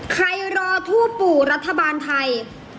ใครรอทูปู่รัฐบาลไทย